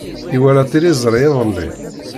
Iwala tiliẓri iḍelli.